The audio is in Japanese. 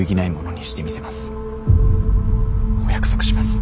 お約束します。